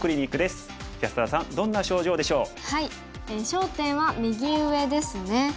焦点は右上ですね。